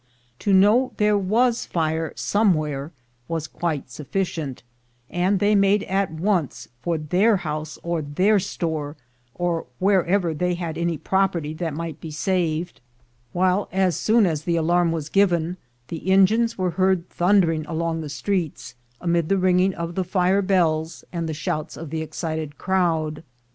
To know there was fire somewhere was quite sufficient, and they made at once for their house or their store, or wherever they had any property that might be saved; while, as soon as the alarm was 94 THE GOLD HUNTERS given, the engines were heard thundering along the streets, amid the ringing of the fire bells and the shouts of the excited crowd.